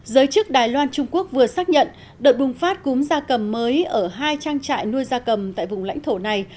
giới chức đài loan trung quốc vừa xác nhận đợt bùng phát cúm da cầm mới ở hai trang trại nuôi gia cầm tại vùng lãnh thổ này